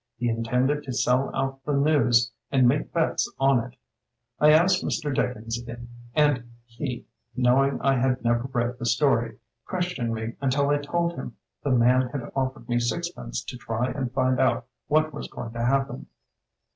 He intended to sell out the news and make bets on it. I asked Mr. Dickens and he, know ing I had never read the story, ques tioned me until I told him the man had offered me sixpence to try and find out what was going to happen."